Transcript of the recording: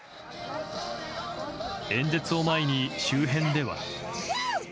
演説を前に、周辺では。